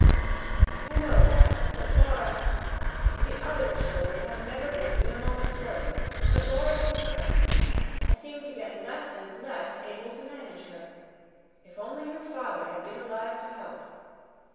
"I know that. But Laura The other children have never given me a moment's worry. But Laura's different. I seem to get less and less able to manage her. If only her father had been alive to help!"